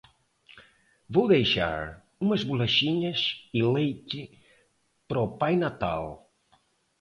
Vou deixar umas bolachinhas e leite para o Pai Natal.